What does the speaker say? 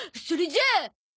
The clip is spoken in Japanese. それじゃあ。